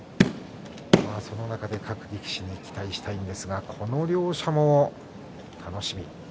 その中で各力士に期待したいんですがこの両者も楽しみ。